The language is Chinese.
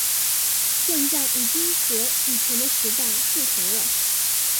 现在已经和以前的时代不同了